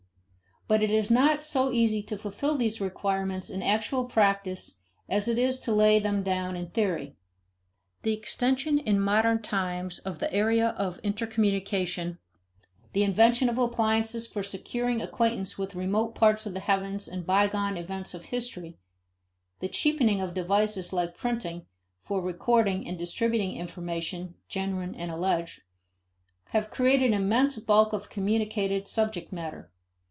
But it is not so easy to fulfill these requirements in actual practice as it is to lay them down in theory. The extension in modern times of the area of intercommunication; the invention of appliances for securing acquaintance with remote parts of the heavens and bygone events of history; the cheapening of devices, like printing, for recording and distributing information genuine and alleged have created an immense bulk of communicated subject matter.